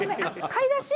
買い出し？